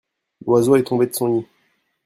l'oiseau est tombé de son nid.